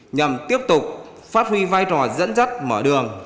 nhằm tiếp tục phát huy vai trò dẫn dắt mở đường